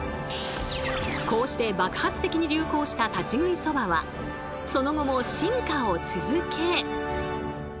こうして爆発的に流行した立ち食いそばはその後も進化を続け。